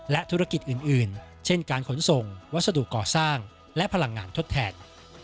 และธุรกิจอื่นเช่นการขนส่งวัสดุก่อสร้างและพลังงานทดแทน